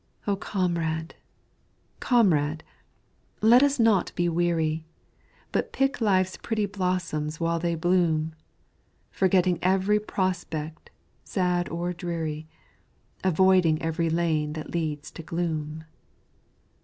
O Comrade! Comrade! let us not be weary, But pick life's pretty blossoms while they bloom, Forgetting every prospect, sad or dreary, Avoiding every lane that leads to gloom!